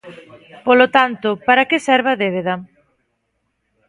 Polo tanto, ¿para que serve a débeda?